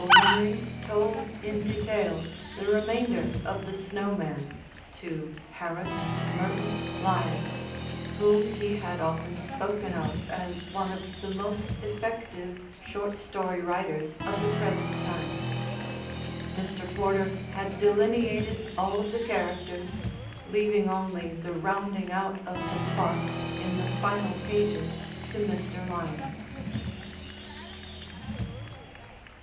Henry told in detail the remainder of The Snow Man to Harris Merton Lyon, whom he had often spoken of as one of the most effective short story writers of the present time. Mr. Porter had delineated all of the characters, leaving only the rounding out of the plot in the final pages to Mr. Lyon.